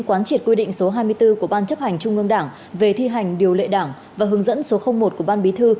quán triệt quy định số hai mươi bốn của ban chấp hành trung ương đảng về thi hành điều lệ đảng và hướng dẫn số một của ban bí thư